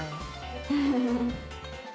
フフフフ。